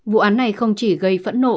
vụ án này không chỉ gây phẫn nộ